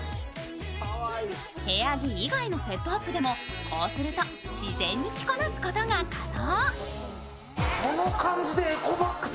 部屋着以外のセットアップでもこうすると自然に着こなすことが可能。